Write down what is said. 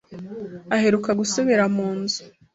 aheruka gusubira mu nzu.